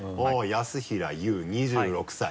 安平裕２６歳。